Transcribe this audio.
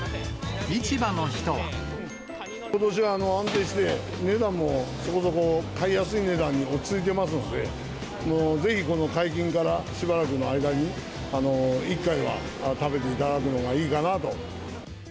ことしは安定して、値段もそこそこ買いやすい値段に落ち着いてますので、ぜひこの解禁からしばらくの間に、１回は食べていただくのがいいかなと。